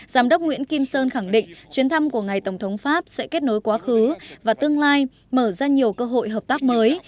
giám đốc nguyễn kim sơn khẳng định chuyến thăm của ngài tổng thống pháp sẽ kết nối quá khứ và tương lai mở ra nhiều cơ hội hợp tác mới